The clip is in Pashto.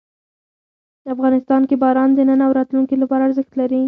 افغانستان کې باران د نن او راتلونکي لپاره ارزښت لري.